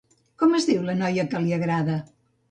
Com es diu la noia que li agrada?